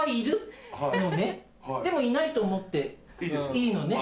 でもいないと思っていいのね？